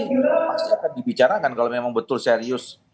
ini pasti akan dibicarakan kalau memang betul serius